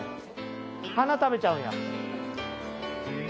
花食べちゃうんや。